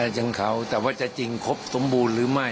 น่าจะเป็นสินค้าแต่ว่าจะจริงครบสมบูรณ์หรือไม่